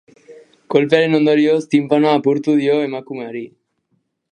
Kolpearen ondorioz, tinpanoa apurtu dio emakumeari.